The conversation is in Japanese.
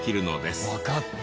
わかった。